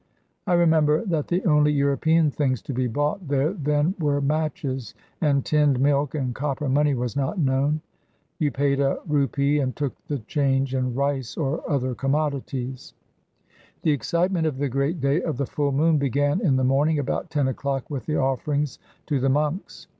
I remember that the only European things to be bought there then were matches and tinned milk, and copper money was not known. You paid a rupee, and took the change in rice or other commodities. The excitement of the great day of the full moon began in the morning, about ten o'clock, with the offerings to the monks.